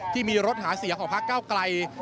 ที่มีรถหาเสียงของพักเก้าไกล